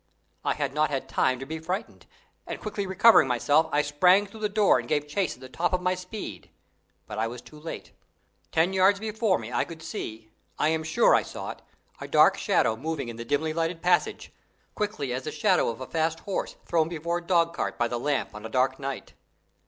I had not had time to be frightened, and quickly recovering myself, I sprang through the door and gave chase at the top of my speed, but I was too late. Ten yards before me I could see I am sure I saw it a dark shadow moving in the dimly lighted passage, quickly as the shadow of a fast horse thrown before a dogcart by the lamp on a dark night.